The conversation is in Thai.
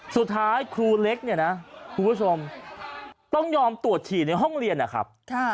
สุดท้ายครูเล็กเนี่ยนะคุณผู้ชมต้องยอมตรวจฉี่ในห้องเรียนนะครับ